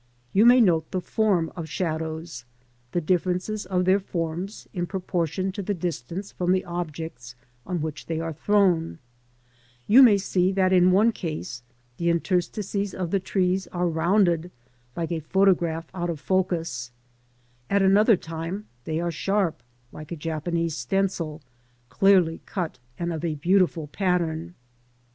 You may note the form of shadows, the differences of their forms in proportion to the distance from the objects on which they are thrown; you may see that in one case the interstices of the trees are rounded like a photograph out of focus; at another time they are sharp, like a Japanese stencil, clearly cut, and of a beautiful pattern.